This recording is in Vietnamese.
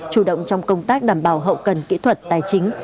chủ động trong công tác đảm bảo hậu cần kỹ thuật tài chính